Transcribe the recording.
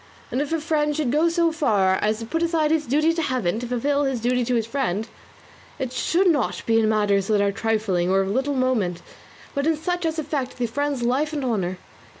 And if a friend should go so far as to put aside his duty to Heaven to fulfil his duty to his friend, it should not be in matters that are trifling or of little moment, but in such as affect the friend's life and honour.